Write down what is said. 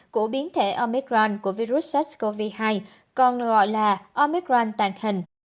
của biến thể omicron của virus sars cov hai còn gọi là omicran tàn hình